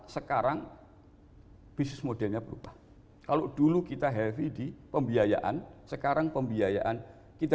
sekarang bisnis modelnya berubah kalau dulu kita heavy di pembiayaan sekarang pembiayaan kita